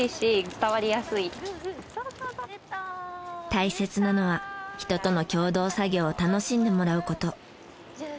大切なのは人との共同作業を楽しんでもらう事。